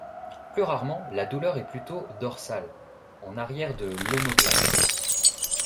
Plus rarement, la douleur est plutôt dorsale, en arrière de l'omoplate.